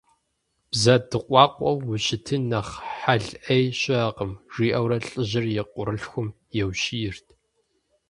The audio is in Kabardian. Бзэ дыкъуакъуэу ущытын нэхъ хьэл Ӏей щыӀэкъым, – жиӀэурэ лӀыжьыр и къуэрылъхум еущиерт.